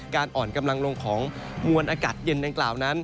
อ่อนกำลังลงของมวลอากาศเย็นดังกล่าวนั้น